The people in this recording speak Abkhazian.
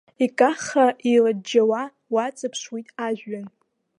Икаххаа, еилыџьџьаауа уаҵаԥшуеит ажәҩан.